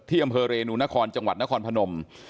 อำเภอเรนูนครจังหวัดนครพนม